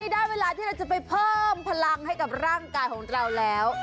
ได้เวลาที่เราจะไปเพิ่มพลังให้กับร่างกายของเราแล้ว